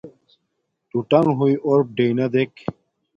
نݸ ٹَݣ ہݸئݵ اݸرپ ڈݵئنݳ دݵک.